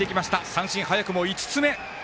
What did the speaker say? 三振早くも５つ目。